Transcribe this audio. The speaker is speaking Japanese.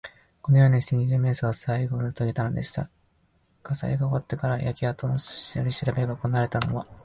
このようにして、二十面相はさいごをとげたのでした。火災が終わってから、焼けあとのとりしらべがおこなわれたのは申すまでもありません。